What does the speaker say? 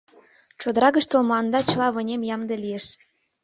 Чодыра гыч толмыланда чыла вынем ямде лиеш.